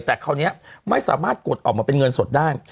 แต่คราวนี้ไม่สามารถกดออกมาเป็นเงินสดได้